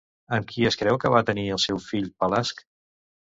Amb qui es creu que va tenir el seu fill Pelasg?